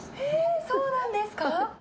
そうなんですか？